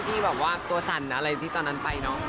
ที่แบบว่าตัวสั่นอะไรที่ตอนนั้นไปเนอะ